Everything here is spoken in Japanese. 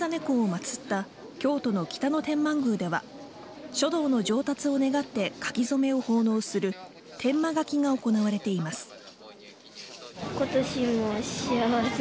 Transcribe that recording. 公をまつった京都の北野天満宮では書道の上達を願って書き初めを奉納する天満書が行われています。